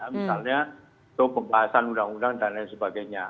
misalnya untuk pembahasan undang undang dan lain sebagainya